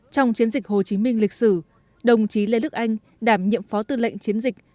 trong chiến dịch hồ chí minh lịch sử đồng chí lê đức anh đảm nhiệm phó tư lệnh chiến dịch